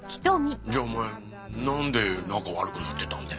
じゃあお前何で仲悪くなってたんだよ？